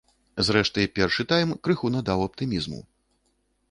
Зрэшты, першы тайм крыху надаў аптымізму.